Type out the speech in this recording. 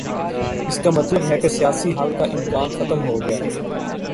اس کا مطلب ہے کہ سیاسی حل کا امکان ختم ہو گیا ہے۔